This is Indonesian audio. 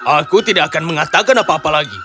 aku tidak akan mengatakan apa apa lagi